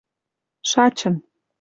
шачын